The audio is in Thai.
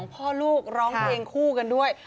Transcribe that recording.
พ่อลูกร้องเพลงคู่กันด้วย